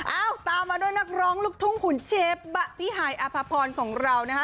เอ้าตามมาด้วยนักร้องลูกทุ่งขุนเชฟพี่หายอภพรของเรานะคะ